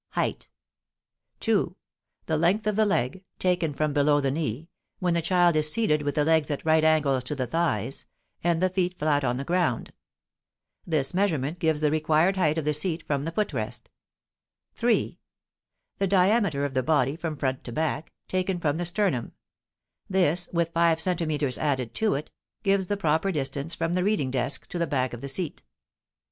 Height. 2. The length of the leg, taken from below the knee, when the child is seated with the legs at right angles to the thighs, and the feet flat on the ground. This measurement gives the required height of the seat from the foot rest. 3. The diameter of the body from front to back, taken from the sternum; this, with five centimeters added to it, gives the proper distance from the reading desk to the back of the seat.